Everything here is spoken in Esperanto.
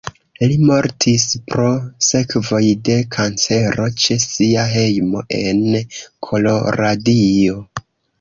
Li mortis pro sekvoj de kancero ĉe sia hejmo en Koloradio.